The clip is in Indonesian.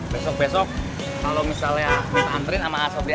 besok besok kalo misalnya kita antriin sama sobri aja